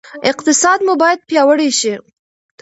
اقتصاد مو باید پیاوړی شي.